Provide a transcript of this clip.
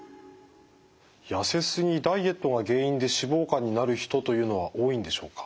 痩せすぎダイエットが原因で脂肪肝になる人というのは多いんでしょうか？